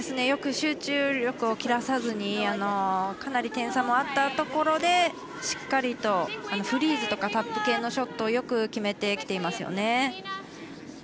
よく集中力を切らさずにかなり点差もあったところでしっかりと、フリーズとかタップ系のショットをよく決めてきてますよね。